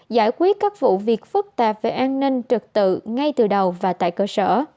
giải quyết các vụ việc phức tạp về an ninh trực tự ngay từ đầu và tại cơ sở